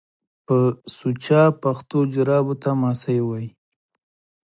په سوچه پښتو جرابو ته ماسۍ وايي